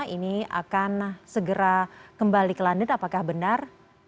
ini akan segera kembali ke london apakah benar